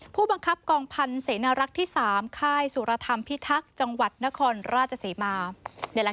ผู้บังคับกองพันธ์เสนรักษ์ที่๓ค่ายสุรธรรมพิทักษ์จังหวัดนครราชศรีมา